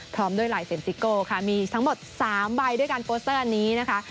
พร้อมด้วยลายเซ็นติโก้ค่ะมีทั้งหมด๓ใบด้วยการโปสเตอร์อันนี้นะคะ